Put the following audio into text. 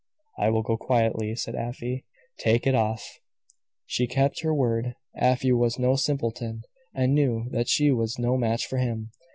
"I will go quietly," said Afy. "Take it off." She kept her word. Afy was no simpleton, and knew that she was no match for him.